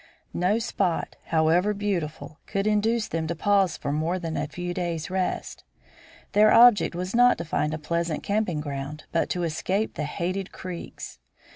No spot, however beautiful, could induce them to pause for more than a few days' rest. Their object was not to find a pleasant camping ground but to escape the hated Creeks.